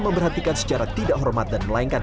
memberhentikan secara tidak hormat dan melainkan